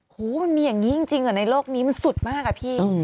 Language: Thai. มันมีอย่างนี้จริงในโลกนี้มันสุดมากอะพี่